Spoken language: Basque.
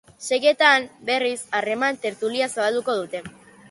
Seietan, berriz, harremanen tertulia zabalduko dute.